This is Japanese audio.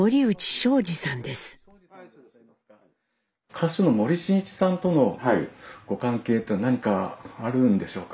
歌手の森進一さんとのご関係って何かあるんでしょうか？